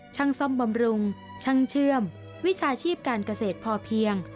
ช่างซ่อมบำรุงช่างเชื่อมวิชาชีพการเกษตรพอเพียง